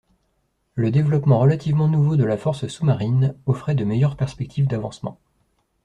Le développement relativement nouveau de la force sous-marine offrait de meilleures perspectives d'avancement.